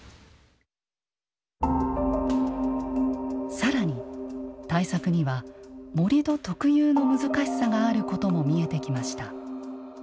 さらに対策には盛土特有の難しさがあることも見えてきました。